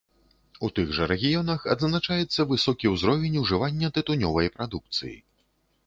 У тых жа рэгіёнах адзначаецца высокі ўзровень ужывання тытунёвай прадукцыі.